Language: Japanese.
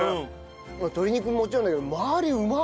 鶏肉ももちろんだけど周りうまっ！